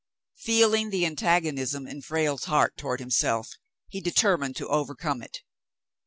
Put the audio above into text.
Feeling the antagonism in Frale's heart toward himself, he determined to overcome it.